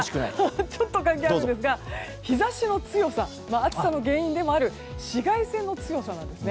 ちょっと関係あるんですが日差しの強さ暑さの原因でもある紫外線の強さなんですね。